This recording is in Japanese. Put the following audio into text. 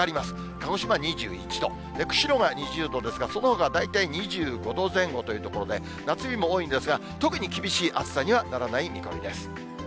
鹿児島は２１度、釧路が２０度ですが、そのほかは大体２５度前後というところで、夏日も多いんですが、特に厳しい暑さにはならない見込みです。